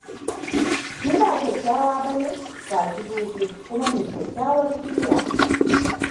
Shi ba kyakkyawa ba ne? - Ga shi dogo kuma mai kyakkyawar sura.